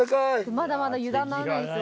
まだまだ油断ならないんですよ。